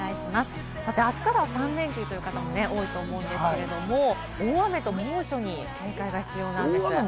あすから３連休という方も多いと思うんですけれども、大雨と猛暑に警戒が必要なんです。